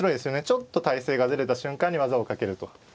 ちょっと態勢がずれた瞬間に技をかけると。